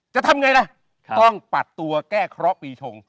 จะทำไงล่ะต้องปัดตัวแก้เคราะห์ปีชง